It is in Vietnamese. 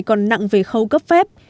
còn nặng về khâu cấp phép